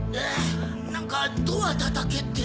何かドアたたけって。